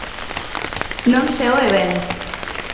Non se oe ben.